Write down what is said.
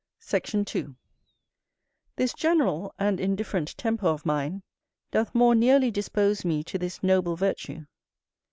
Sect. 2. This general and indifferent temper of mine doth more nearly dispose me to this noble virtue.